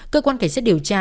cơ quan kẻ xét điều tra